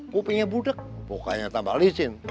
kupingnya budek bukanya tambah lisin